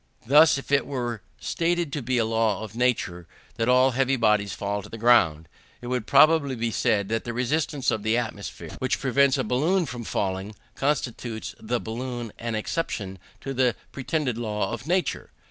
Thus if it were stated to be a law of nature, that all heavy bodies fall to the ground, it would probably be said that the resistance of the atmosphere, which prevents a balloon from falling, constitutes the balloon an exception to that pretended law of nature.